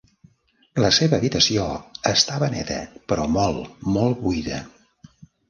La seva habitació estava neta, però molt, molt buida.